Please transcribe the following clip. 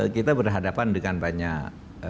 kita berhadapan dengan banyak